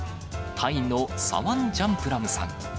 タイのサワン・ジャンプラムさん。